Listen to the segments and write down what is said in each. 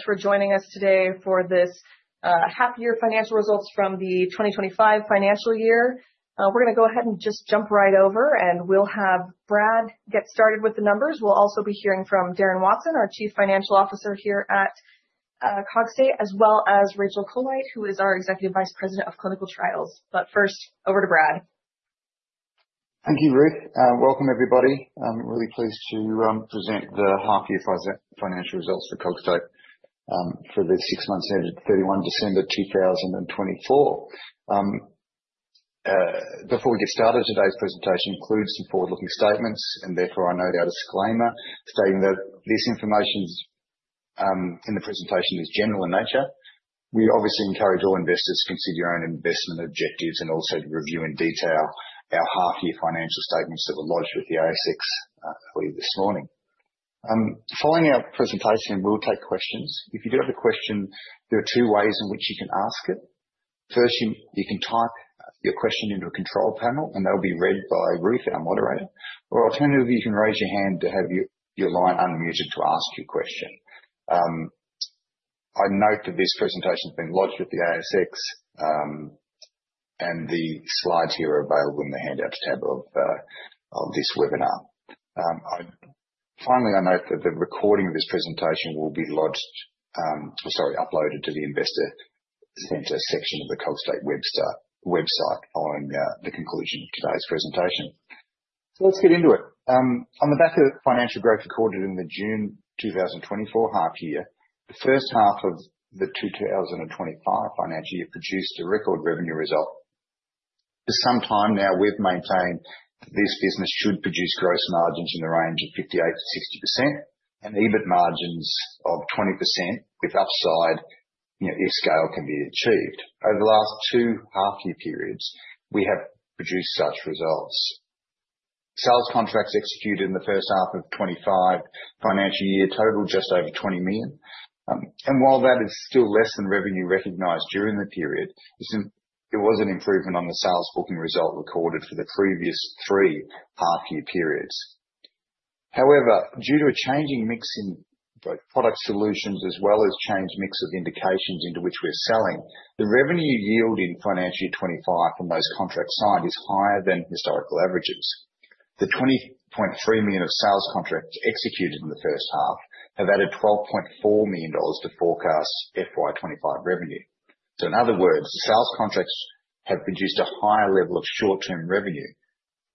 Thanks for joining us today for this half-year financial results from the 2025 financial year. We're going to go ahead and just jump right over, and we'll have Brad get started with the numbers. We'll also be hearing from Darren Watson, our Chief Financial Officer here at Cogstate, as well as Rachel Colite, who is our Executive Vice President of Clinical Trials. But first, over to Brad. Thank you, Ruth. Welcome, everybody. I'm really pleased to present the half-year financial results for Cogstate for the six months ended 31 December 2024. Before we get started, today's presentation includes some forward-looking statements, and therefore I no doubt a disclaimer stating that this information in the presentation is general in nature. We obviously encourage all investors to consider your own investment objectives and also to review in detail our half-year financial statements that were launched with the ASX earlier this morning. Following our presentation, we'll take questions. If you do have a question, there are two ways in which you can ask it. First, you can type your question into a control panel, and that will be read by Ruth, our moderator. Alternatively, you can raise your hand to have your line unmuted to ask your question. I note that this presentation has been lodged with the ASX, and the slides here are available in the handout tab of this webinar. Finally, I note that the recording of this presentation will be lodged or, sorry, uploaded to the Investor Centre section of the Cogstate website on the conclusion of today's presentation. Let's get into it. On the back of financial growth recorded in the June 2024 half-year, the first half of the 2025 financial year produced a record revenue result. For some time now, we've maintained that this business should produce gross margins in the range of 58-60% and EBIT margins of 20% with upside if scale can be achieved. Over the last two half-year periods, we have produced such results. Sales contracts executed in the first half of 2025 financial year totaled just over $20 million. While that is still less than revenue recognized during the period, it was an improvement on the sales booking result recorded for the previous three half-year periods. However, due to a changing mix in both product solutions as well as changed mix of indications into which we're selling, the revenue yield in financial year 2025 from those contracts signed is higher than historical averages. The $20.3 million of sales contracts executed in the first half have added $12.4 million to forecast FY25 revenue. In other words, the sales contracts have produced a higher level of short-term revenue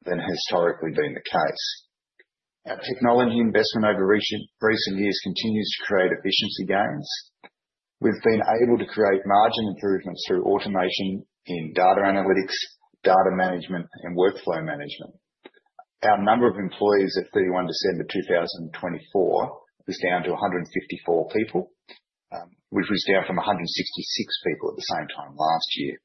than has historically been the case. Our technology investment over recent years continues to create efficiency gains. We've been able to create margin improvements through automation in data analytics, data management, and workflow management. Our number of employees at 31 December 2024 was down to 154 people, which was down from 166 people at the same time last year.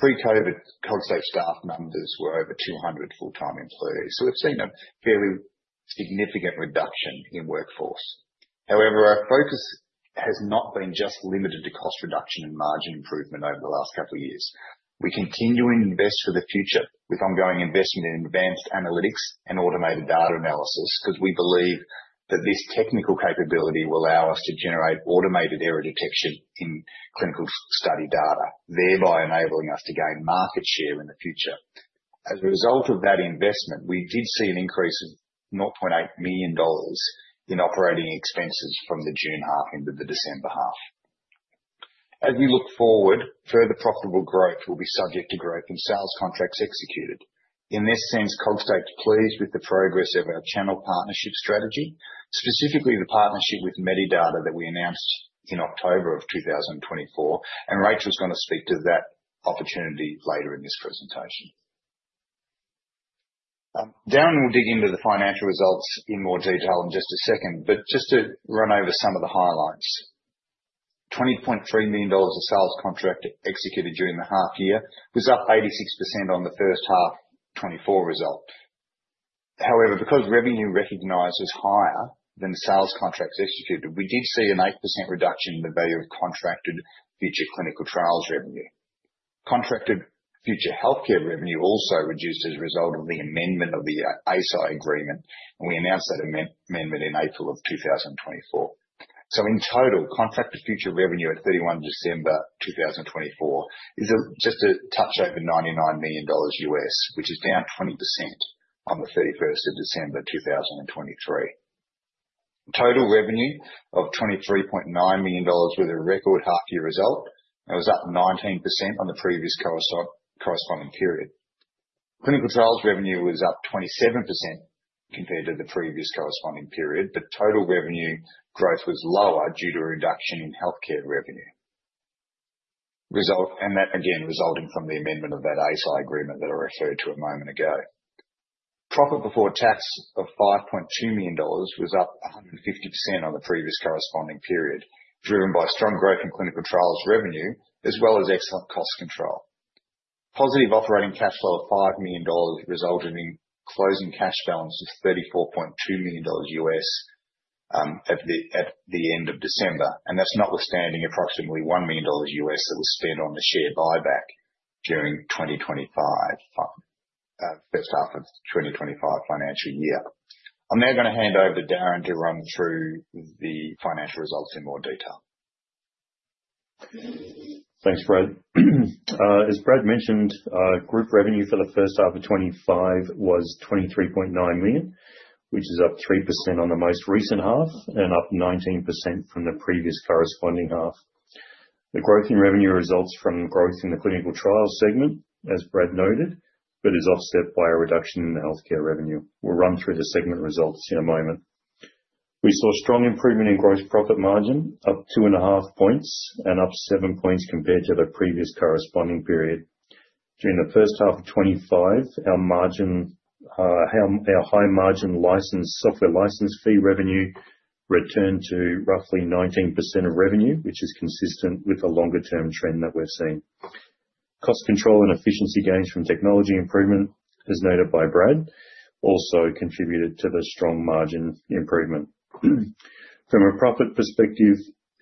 Pre-COVID, Cogstate staff numbers were over 200 full-time employees. We have seen a fairly significant reduction in workforce. However, our focus has not been just limited to cost reduction and margin improvement over the last couple of years. We continue to invest for the future with ongoing investment in advanced analytics and automated data analysis because we believe that this technical capability will allow us to generate automated error detection in clinical study data, thereby enabling us to gain market share in the future. As a result of that investment, we did see an increase of $0.8 million in operating expenses from the June half into the December half. As we look forward, further profitable growth will be subject to growth in sales contracts executed. In this sense, Cogstate is pleased with the progress of our channel partnership strategy, specifically the partnership with Medidata that we announced in October of 2024. Rachel's going to speak to that opportunity later in this presentation. Darren will dig into the financial results in more detail in just a second, but just to run over some of the highlights. $20.3 million of sales contract executed during the half-year was up 86% on the first half 2024 result. However, because revenue recognized was higher than the sales contracts executed, we did see an 8% reduction in the value of contracted future clinical trials revenue. Contracted future healthcare revenue also reduced as a result of the amendment of the ASI agreement, and we announced that amendment in April of 2024. In total, contracted future revenue at 31 December 2024 is just a touch over $99 million, which is down 20% on the 31st of December 2023. Total revenue of $23.9 million with a record half-year result was up 19% on the previous corresponding period. Clinical trials revenue was up 27% compared to the previous corresponding period, but total revenue growth was lower due to a reduction in healthcare revenue, and that again resulting from the amendment of that ASI agreement that I referred to a moment ago. Profit before tax of $5.2 million was up 150% on the previous corresponding period, driven by strong growth in clinical trials revenue as well as excellent cost control. Positive operating cash flow of $5 million resulted in closing cash balance of $34.2 million at the end of December, and that's notwithstanding approximately $1 million that was spent on the share buyback during the first half of the 2025 financial year. I'm now going to hand over to Darren to run through the financial results in more detail. Thanks, Brad. As Brad mentioned, group revenue for the first half of 2025 was $23.9 million, which is up 3% on the most recent half and up 19% from the previous corresponding half. The growth in revenue results from growth in the clinical trials segment, as Brad noted, but is offset by a reduction in the healthcare revenue. We'll run through the segment results in a moment. We saw strong improvement in gross profit margin, up two and a half percentage points and up seven percentage points compared to the previous corresponding period. During the first half of 2025, our high margin software license fee revenue returned to roughly 19% of revenue, which is consistent with the longer-term trend that we've seen. Cost control and efficiency gains from technology improvement, as noted by Brad, also contributed to the strong margin improvement. From a profit perspective,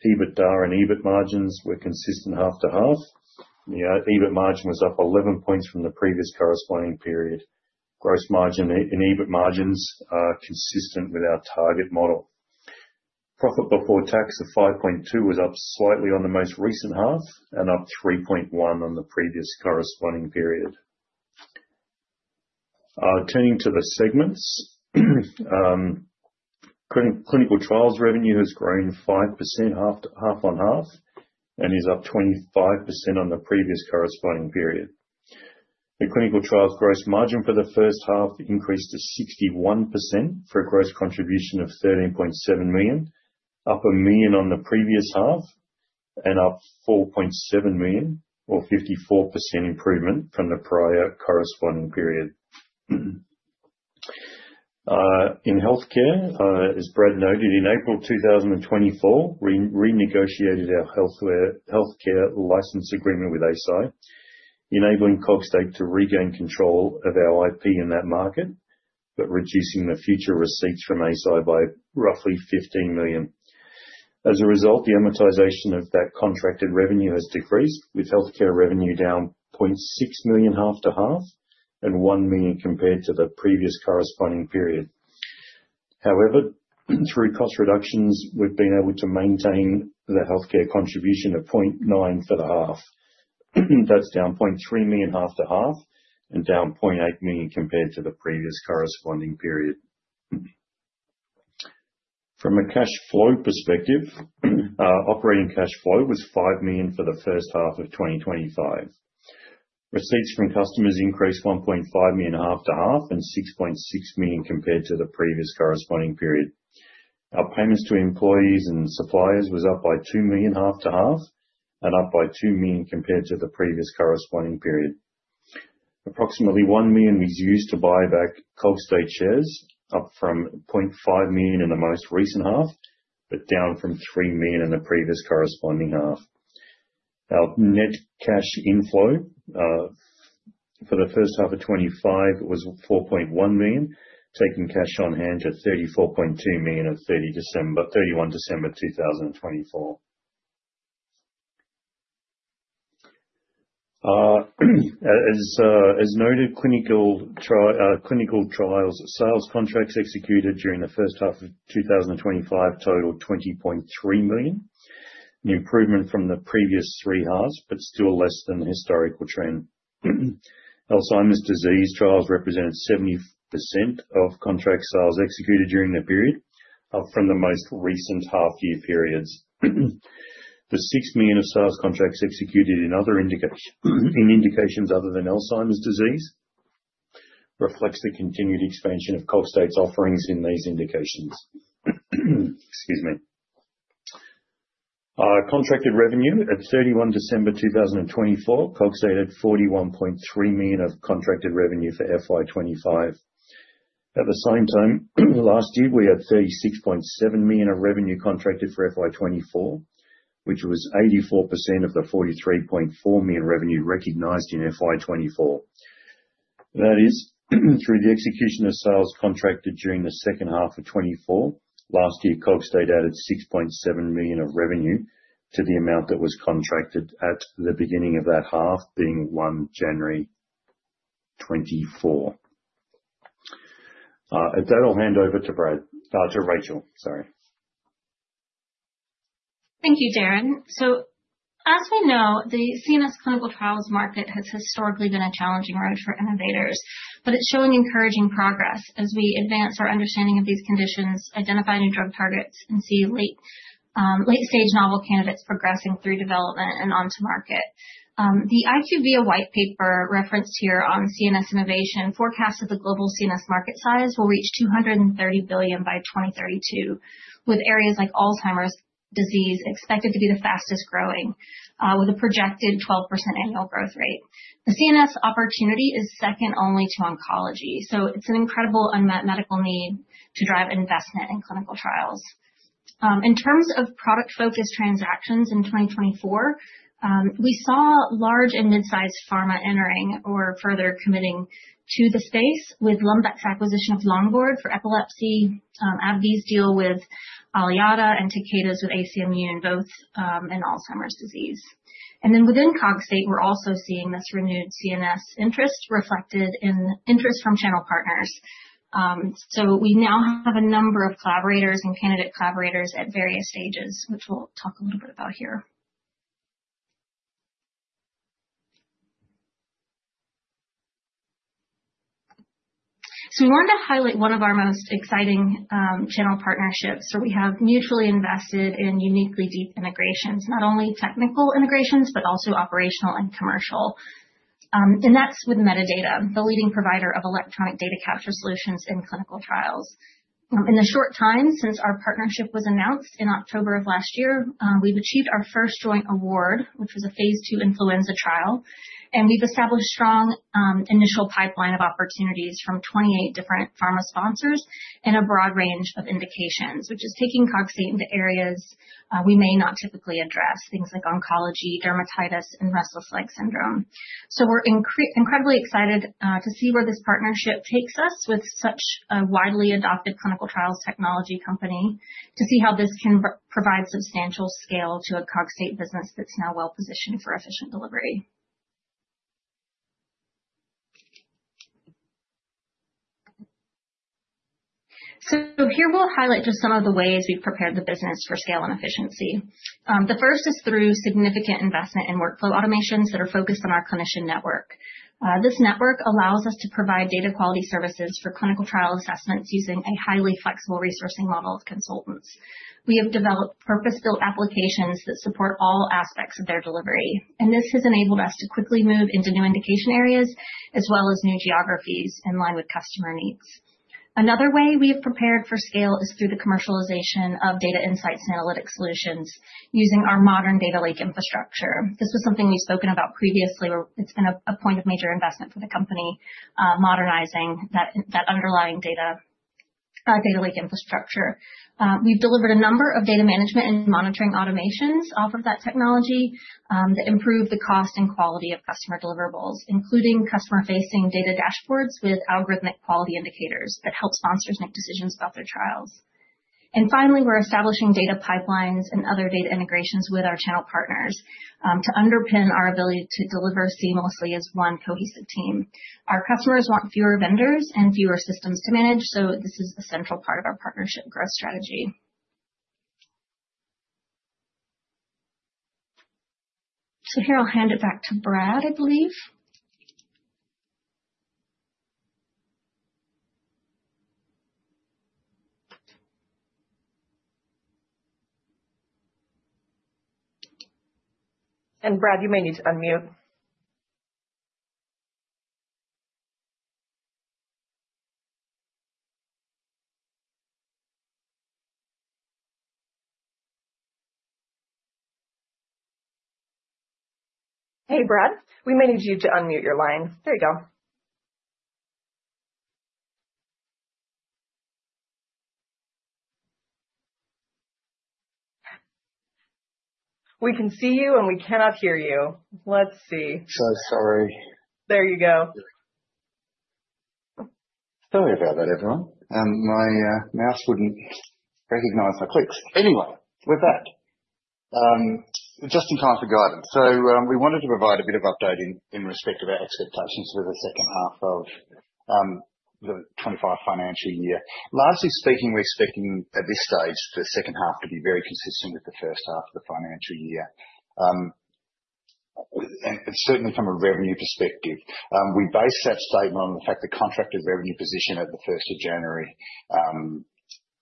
EBITDA and EBIT margins were consistent half to half. The EBIT margin was up 11 percentage points from the previous corresponding period. Gross margin and EBIT margins are consistent with our target model. Profit before tax of $5.2 million was up slightly on the most recent half and up $3.1 million on the previous corresponding period. Turning to the segments, clinical trials revenue has grown 5% half on half and is up 25% on the previous corresponding period. The clinical trials gross margin for the first half increased to 61% for a gross contribution of $13.7 million, up $1 million on the previous half and up $4.7 million or 54% improvement from the prior corresponding period. In healthcare, as Brad noted, in April 2024, we renegotiated our healthcare license agreement with ASI, enabling Cogstate to regain control of our IP in that market, but reducing the future receipts from ASI by roughly $15 million. As a result, the amortization of that contracted revenue has decreased, with healthcare revenue down $0.6 million half to half and $1 million compared to the previous corresponding period. However, through cost reductions, we've been able to maintain the healthcare contribution at $0.9 million for the half. That's down $0.3 million half to half and down $0.8 million compared to the previous corresponding period. From a cash flow perspective, operating cash flow was $5 million for the first half of 2025. Receipts from customers increased $1.5 million half to half and $6.6 million compared to the previous corresponding period. Our payments to employees and suppliers were up by $2 million half to half and up by $2 million compared to the previous corresponding period. Approximately $1 million was used to buy back Cogstate shares, up from $500,000 in the most recent half, but down from $3 million in the previous corresponding half. Our net cash inflow for the first half of 2025 was $4.1 million, taking cash on hand to $34.2 million on 31 December 2024. As noted, clinical trials sales contracts executed during the first half of 2025 totaled $20.3 million, an improvement from the previous three halves, but still less than the historical trend. Alzheimer's disease trials represented 70% of contract sales executed during the period from the most recent half-year periods. The $6 million of sales contracts executed in indications other than Alzheimer's disease reflects the continued expansion of Cogstate's offerings in these indications. Contracted revenue at 31 December 2024, Cogstate had $41.3 million of contracted revenue for FY25. At the same time, last year, we had $36.7 million of revenue contracted for FY24, which was 84% of the $43.4 million revenue recognized in FY24. That is, through the execution of sales contracted during the second half of 2024, last year, Cogstate added $6.7 million of revenue to the amount that was contracted at the beginning of that half, being 1 January 2024. At that, I'll hand over to Rachel. Sorry. Thank you, Darren. As we know, the CNS clinical trials market has historically been a challenging road for innovators, but it's showing encouraging progress as we advance our understanding of these conditions, identify new drug targets, and see late-stage novel candidates progressing through development and onto market. The IQVIA White Paper referenced here on CNS innovation forecasts that the global CNS market size will reach $230 billion by 2032, with areas like Alzheimer's disease expected to be the fastest growing, with a projected 12% annual growth rate. The CNS opportunity is second only to oncology. It's an incredible unmet medical need to drive investment in clinical trials. In terms of product-focused transactions in 2024, we saw large and mid-sized pharma entering or further committing to the space, with Lundbeck's acquisition of Longboard for epilepsy, AbbVie's deal with Aliada, and Takeda's with AC Immune, both in Alzheimer's disease. Within Cogstate, we're also seeing this renewed CNS interest reflected in interest from channel partners. We now have a number of collaborators and candidate collaborators at various stages, which we'll talk a little bit about here. We wanted to highlight one of our most exciting channel partnerships. We have mutually invested in uniquely deep integrations, not only technical integrations, but also operational and commercial. That is with Medidata, the leading provider of electronic data capture solutions in clinical trials. In the short time since our partnership was announced in October of last year, we've achieved our first joint award, which was a phase two influenza trial. We've established a strong initial pipeline of opportunities from 28 different pharma sponsors and a broad range of indications, which is taking Cogstate into areas we may not typically address, things like oncology, dermatitis, and restless leg syndrome. We're incredibly excited to see where this partnership takes us with such a widely adopted clinical trials technology company to see how this can provide substantial scale to a Cogstate business that's now well-positioned for efficient delivery. Here we'll highlight just some of the ways we've prepared the business for scale and efficiency. The first is through significant investment in workflow automations that are focused on our clinician network. This network allows us to provide data quality services for clinical trial assessments using a highly flexible resourcing model of consultants. We have developed purpose-built applications that support all aspects of their delivery. This has enabled us to quickly move into new indication areas as well as new geographies in line with customer needs. Another way we have prepared for scale is through the commercialization of data insights and analytic solutions using our modern data lake infrastructure. This was something we've spoken about previously. It's been a point of major investment for the company, modernizing that underlying data lake infrastructure. We've delivered a number of data management and monitoring automations off of that technology that improve the cost and quality of customer deliverables, including customer-facing data dashboards with algorithmic quality indicators that help sponsors make decisions about their trials. Finally, we're establishing data pipelines and other data integrations with our channel partners to underpin our ability to deliver seamlessly as one cohesive team. Our customers want fewer vendors and fewer systems to manage, so this is a central part of our partnership growth strategy. Here, I'll hand it back to Brad, I believe. Brad, you may need to unmute. Hey, Brad. We may need you to unmute your line. There you go. We can see you, and we cannot hear you. Let's see. So sorry. There you go. Sorry about that, everyone. My mouse wouldn't recognize my clicks. Anyway, with that, just in time for Guidance. We wanted to provide a bit of updating in respect of our expectations for the second half of the 2025 financial year. Lastly speaking, we're expecting at this stage the second half to be very consistent with the first half of the financial year. Certainly from a revenue perspective, we base that statement on the fact that contracted revenue position at the 1st of January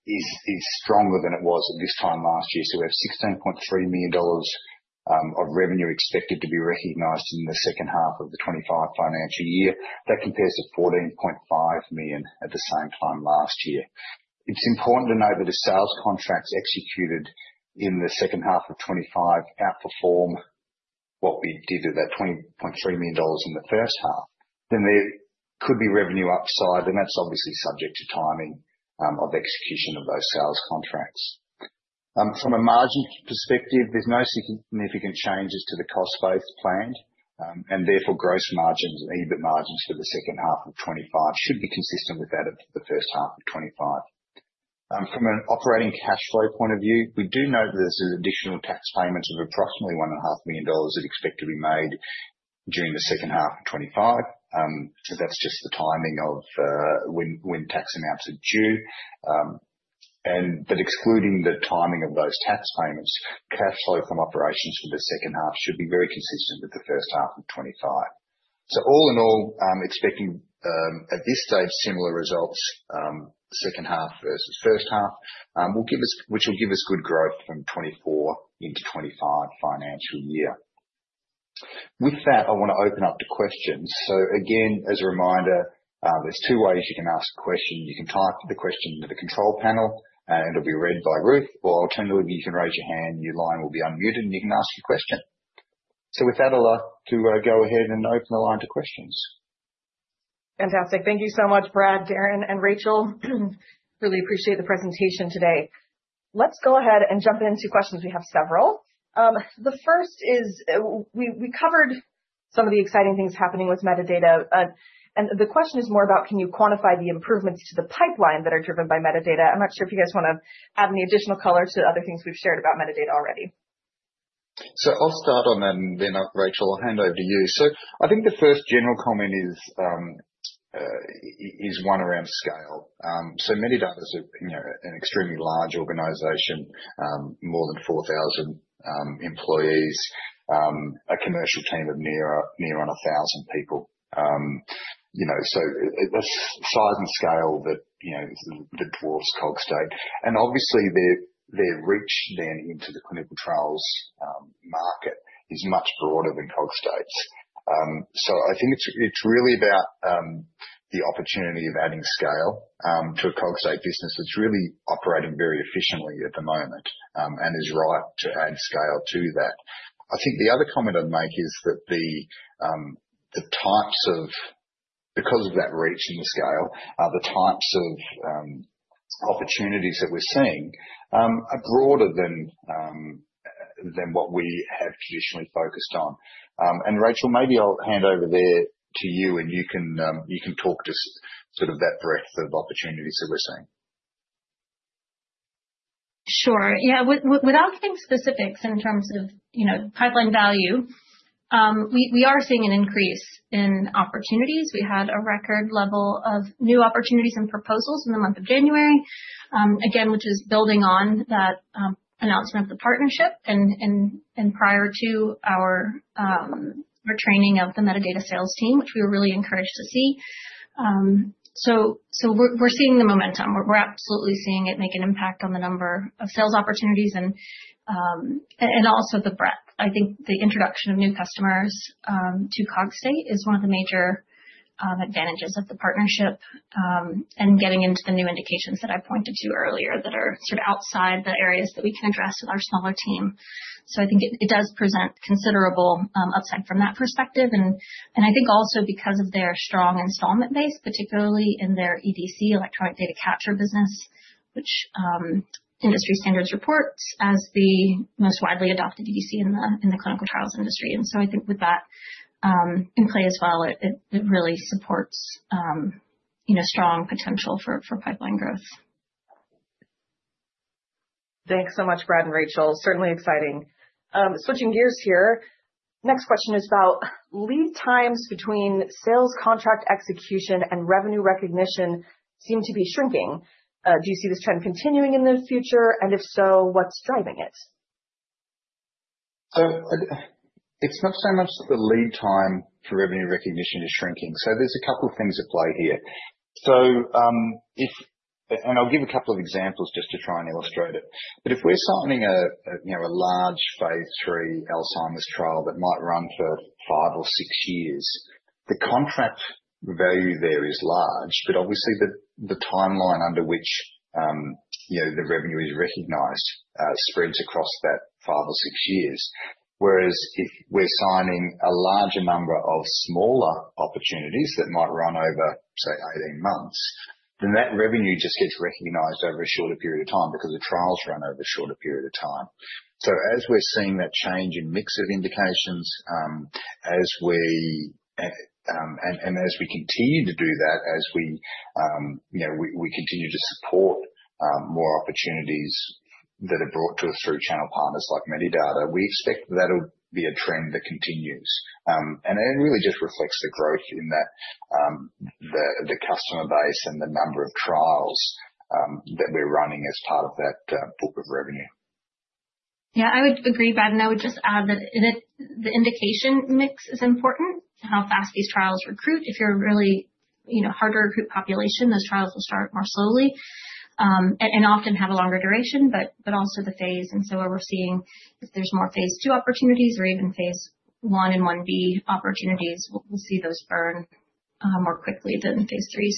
is stronger than it was at this time last year. We have $16.3 million of revenue expected to be recognized in the second half of the 2025 financial year. That compares to $14.5 million at the same time last year. It's important to note that the sales contracts executed in the second half of 2025 outperform what we did at that $20.3 million in the first half. There could be revenue upside, and that's obviously subject to timing of execution of those sales contracts. From a margin perspective, there's no significant changes to the cost base planned, and therefore gross margins and EBIT margins for the second half of 2025 should be consistent with that of the first half of 2025. From an operating cash flow point of view, we do note that there's an additional tax payment of approximately $1.5 million that's expected to be made during the second half of 2025. That's just the timing of when tax amounts are due. Excluding the timing of those tax payments, cash flow from operations for the second half should be very consistent with the first half of 2025. All in all, expecting at this stage similar results, second half versus first half, which will give us good growth from 2024 into the 2025 financial year. With that, I want to open up to questions. Again, as a reminder, there are two ways you can ask a question. You can type the question into the control panel, and it will be read by Ruth. Alternatively, you can raise your hand, your line will be unmuted, and you can ask your question. With that, I'd like to go ahead and open the line to questions. Fantastic. Thank you so much, Brad, Darren, and Rachel. Really appreciate the presentation today. Let's go ahead and jump into questions. We have several. The first is we covered some of the exciting things happening with Medidata. The question is more about, can you quantify the improvements to the pipeline that are driven by Medidata? I'm not sure if you guys want to add any additional color to other things we've shared about Medidata already. I'll start on that, and then Rachel, I'll hand over to you. I think the first general comment is one around scale. Medidata's an extremely large organization, more than 4,000 employees, a commercial team of near on 1,000 people. The size and scale that dwarfs Cogstate. Obviously, their reach then into the clinical trials market is much broader than Cogstate's. I think it's really about the opportunity of adding scale to a Cogstate business that's really operating very efficiently at the moment and is right to add scale to that. I think the other comment I'd make is that the types of, because of that reach and the scale, the types of opportunities that we're seeing are broader than what we have traditionally focused on. Rachel, maybe I'll hand over there to you, and you can talk to sort of that breadth of opportunities that we're seeing. Sure. Yeah. Without getting specifics in terms of pipeline value, we are seeing an increase in opportunities. We had a record level of new opportunities and proposals in the month of January, again, which is building on that announcement of the partnership and prior to our training of the Medidata sales team, which we were really encouraged to see. We are seeing the momentum. We are absolutely seeing it make an impact on the number of sales opportunities and also the breadth. I think the introduction of new customers to Cogstate is one of the major advantages of the partnership and getting into the new indications that I pointed to earlier that are sort of outside the areas that we can address with our smaller team. I think it does present considerable upside from that perspective. I think also because of their strong install base, particularly in their EDC, electronic data capture business, which Industry Standards reports as the most widely adopted EDC in the clinical trials industry. I think with that in play as well, it really supports strong potential for pipeline growth. Thanks so much, Brad and Rachel. Certainly exciting. Switching gears here, next question is about lead times between sales contract execution and revenue recognition seem to be shrinking. Do you see this trend continuing in the future? If so, what's driving it? It is not so much that the lead time for revenue recognition is shrinking. There are a couple of things at play here. I will give a couple of examples just to try and illustrate it. If we are signing a large phase three Alzheimer's trial that might run for five or six years, the contract value there is large, but obviously the timeline under which the revenue is recognized spreads across that five or six years. Whereas if we are signing a larger number of smaller opportunities that might run over, say, 18 months, then that revenue just gets recognized over a shorter period of time because the trials run over a shorter period of time. As we're seeing that change in mix of indications, and as we continue to do that, as we continue to support more opportunities that are brought to us through channel partners like Medidata, we expect that'll be a trend that continues. It really just reflects the growth in the customer base and the number of trials that we're running as part of that book of revenue. Yeah, I would agree, Brad. I would just add that the indication mix is important, how fast these trials recruit. If you're a really hard-to-recruit population, those trials will start more slowly and often have a longer duration, but also the phase. We're seeing if there's more phase two opportunities or even phase one and one B opportunities, we'll see those burn more quickly than phase threes.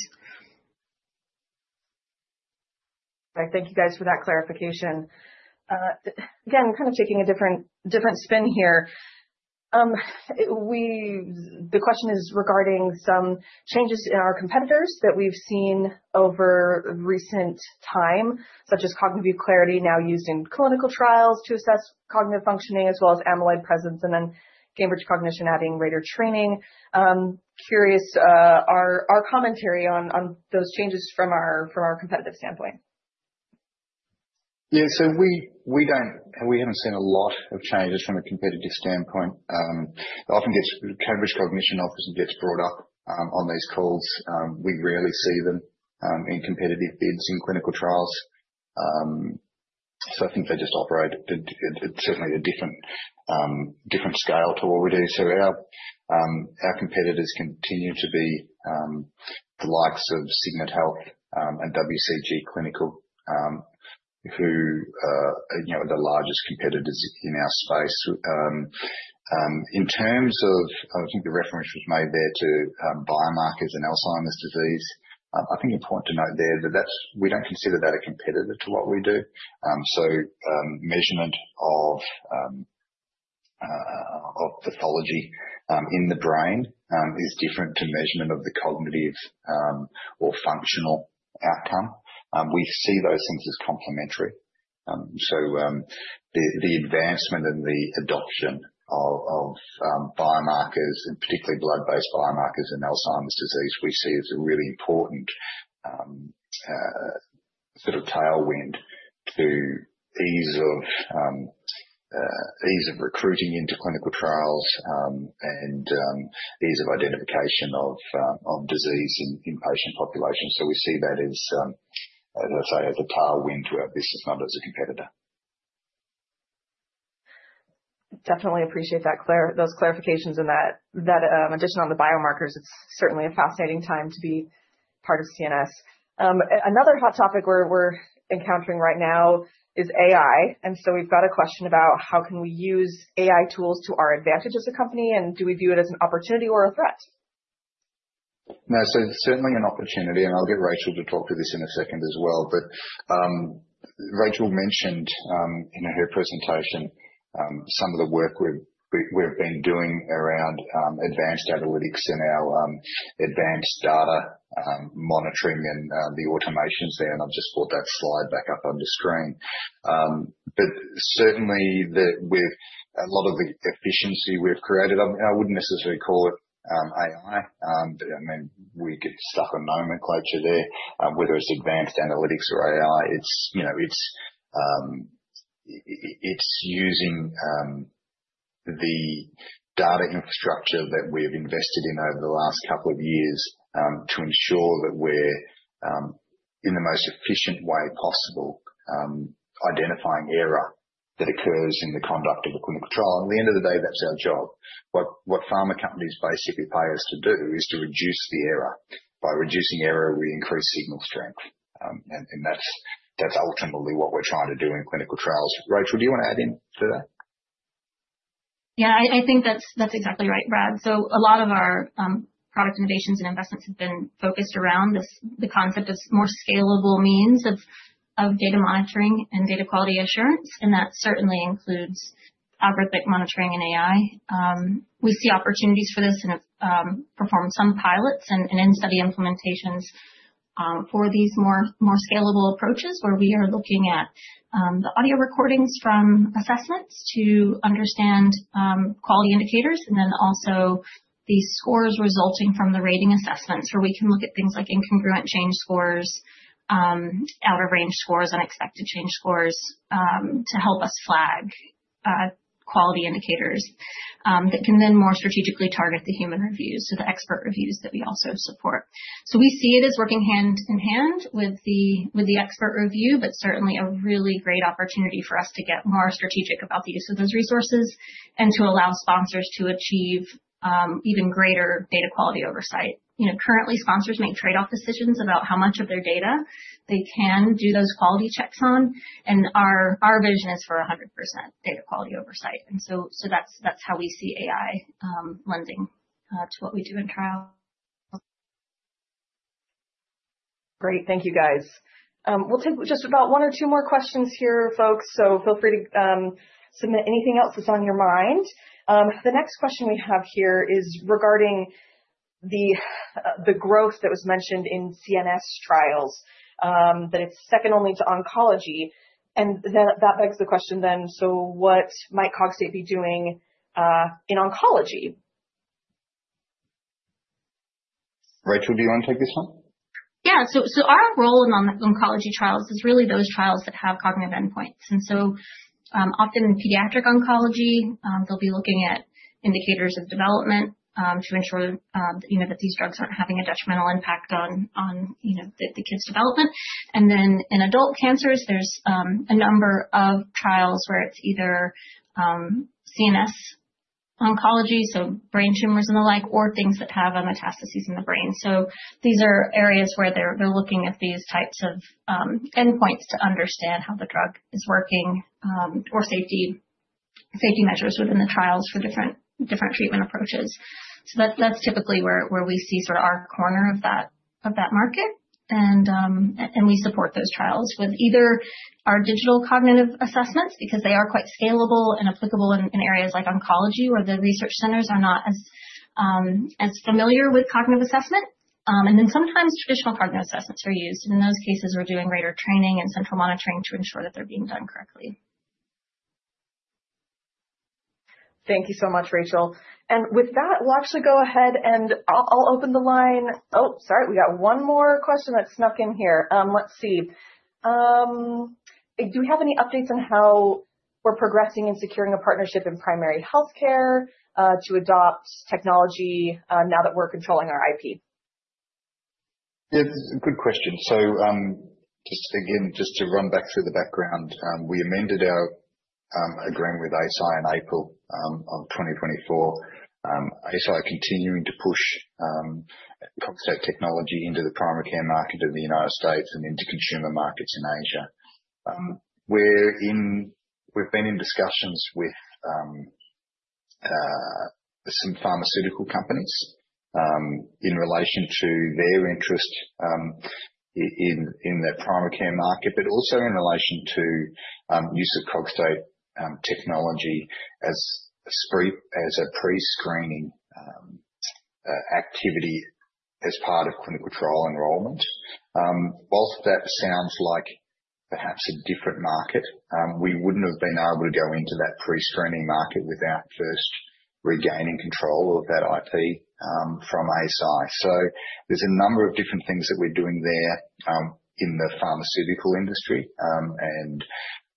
Thank you guys for that clarification. Again, kind of taking a different spin here. The question is regarding some changes in our competitors that we've seen over recent time, such as Cognitive Clarity now used in clinical trials to assess cognitive functioning, as well as amyloid presence, and then Cambridge Cognition adding radar training. Curious our commentary on those changes from our competitive standpoint. Yeah. We do not, and we have not seen a lot of changes from a competitive standpoint. Often Cambridge Cognition office gets brought up on these calls. We rarely see them in competitive bids in clinical trials. I think they just operate at certainly a different scale to what we do. Our competitors continue to be the likes of Signant Health and WCG Clinical, who are the largest competitors in our space. In terms of, I think the reference was made there to biomarkers and Alzheimer's disease, I think it is important to note there that we do not consider that a competitor to what we do. Measurement of pathology in the brain is different to measurement of the cognitive or functional outcome. We see those things as complementary. The advancement and the adoption of biomarkers, and particularly blood-based biomarkers in Alzheimer's disease, we see as a really important sort of tailwind to ease of recruiting into clinical trials and ease of identification of disease in patient populations. We see that as, as I say, as a tailwind to our business, not as a competitor. Definitely appreciate those clarifications and that addition on the biomarkers. It's certainly a fascinating time to be part of CNS. Another hot topic we're encountering right now is AI. We've got a question about how can we use AI tools to our advantage as a company, and do we view it as an opportunity or a threat? No. It is certainly an opportunity, and I'll get Rachel to talk to this in a second as well. Rachel mentioned in her presentation some of the work we've been doing around advanced analytics and our advanced data monitoring and the automations there. I have just brought that slide back up on the screen. Certainly, with a lot of the efficiency we've created, I wouldn't necessarily call it AI. I mean, we get stuck on nomenclature there, whether it's advanced analytics or AI. It is using the data infrastructure that we've invested in over the last couple of years to ensure that we're, in the most efficient way possible, identifying error that occurs in the conduct of a clinical trial. At the end of the day, that's our job. What pharma companies basically pay us to do is to reduce the error. By reducing error, we increase signal strength. That's ultimately what we're trying to do in clinical trials. Rachel, do you want to add in to that? Yeah. I think that's exactly right, Brad. A lot of our product innovations and investments have been focused around the concept of more scalable means of data monitoring and data quality assurance. That certainly includes algorithmic monitoring and AI. We see opportunities for this and have performed some pilots and in-study implementations for these more scalable approaches, where we are looking at the audio recordings from assessments to understand quality indicators, and then also the scores resulting from the rating assessments, where we can look at things like incongruent change scores, out-of-range scores, unexpected change scores to help us flag quality indicators that can then more strategically target the human reviews, so the expert reviews that we also support. We see it as working hand in hand with the expert review, but certainly a really great opportunity for us to get more strategic about the use of those resources and to allow sponsors to achieve even greater data quality oversight. Currently, sponsors make trade-off decisions about how much of their data they can do those quality checks on. Our vision is for 100% data quality oversight. That is how we see AI lending to what we do in trial. Great. Thank you, guys. We'll take just about one or two more questions here, folks. Feel free to submit anything else that's on your mind. The next question we have here is regarding the growth that was mentioned in CNS trials, that it's second only to oncology. That begs the question then, what might Cogstate be doing in oncology? Rachel, do you want to take this one? Yeah. Our role in oncology trials is really those trials that have cognitive endpoints. Often in pediatric oncology, they'll be looking at indicators of development to ensure that these drugs aren't having a detrimental impact on the kid's development. In adult cancers, there's a number of trials where it's either CNS oncology, so brain tumors and the like, or things that have a metastasis in the brain. These are areas where they're looking at these types of endpoints to understand how the drug is working or safety measures within the trials for different treatment approaches. That's typically where we see sort of our corner of that market. We support those trials with either our digital cognitive assessments, because they are quite scalable and applicable in areas like oncology, where the research centers are not as familiar with cognitive assessment. Sometimes traditional cognitive assessments are used. In those cases, we're doing rater training and central monitoring to ensure that they're being done correctly. Thank you so much, Rachel. With that, we'll actually go ahead and I'll open the line. Oh, sorry. We got one more question that snuck in here. Let's see. Do we have any updates on how we're progressing in securing a partnership in primary healthcare to adopt technology now that we're controlling our IP? Yeah. That's a good question. Just to dig in, just to run back through the background, we amended our agreement with ASI in April of 2024. ASI is continuing to push Cogstate technology into the primary care market in the United States and into consumer markets in Asia. We've been in discussions with some pharmaceutical companies in relation to their interest in the primary care market, but also in relation to the use of Cogstate technology as a pre-screening activity as part of clinical trial enrollment. Whilst that sounds like perhaps a different market, we wouldn't have been able to go into that pre-screening market without first regaining control of that IP from ASI. There are a number of different things that we're doing there in the pharmaceutical industry.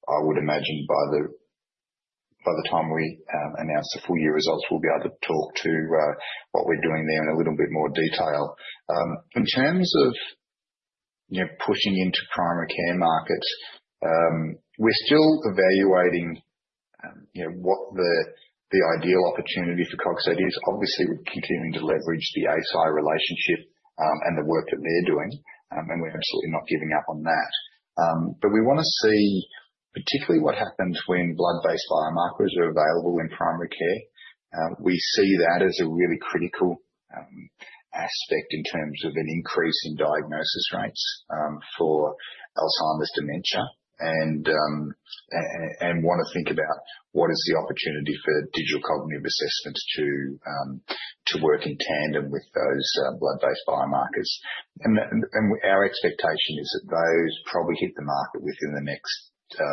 I would imagine by the time we announce the full year results, we'll be able to talk to what we're doing there in a little bit more detail. In terms of pushing into primary care markets, we're still evaluating what the ideal opportunity for Cogstate is. Obviously, we're continuing to leverage the ASI relationship and the work that they're doing. We're absolutely not giving up on that. We want to see particularly what happens when blood-based biomarkers are available in primary care. We see that as a really critical aspect in terms of an increase in diagnosis rates for Alzheimer's dementia. We want to think about what is the opportunity for digital cognitive assessments to work in tandem with those blood-based biomarkers. Our expectation is that those probably hit the market within the next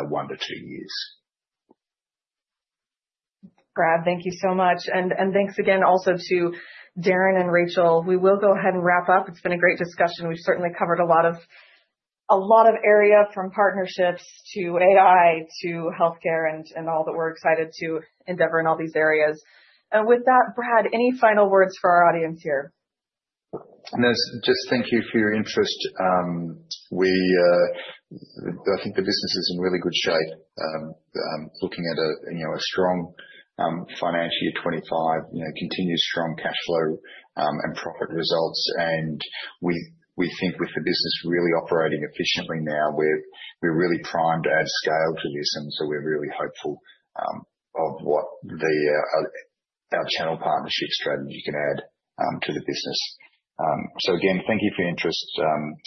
one to two years. Brad, thank you so much. Thank you again also to Darren and Rachel. We will go ahead and wrap up. It's been a great discussion. We've certainly covered a lot of area from partnerships to AI to healthcare and all that we're excited to endeavor in all these areas. With that, Brad, any final words for our audience here? Just thank you for your interest. I think the business is in really good shape, looking at a strong financial year 2025, continued strong cash flow and profit results. We think with the business really operating efficiently now, we're really primed to add scale to this. We are really hopeful of what our channel partnership strategy can add to the business. Again, thank you for your interest.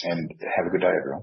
Have a good day, everyone.